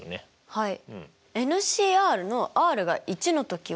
はい。